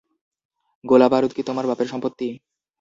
গোলাবারুদ কি তোমার বাপের সম্পত্তি?